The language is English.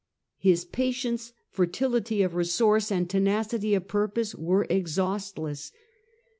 His patience, fertility of resource, and tenacity of purpose were exhaustless.